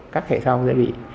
các hệ thống sẽ bị